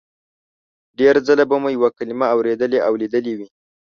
ډېر ځله به مو یوه کلمه اورېدلې او لیدلې وي